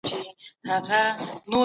غېږ ورکول هېڅ خطر نه لري.